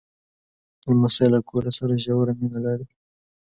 لمسی له کور سره ژوره مینه لري.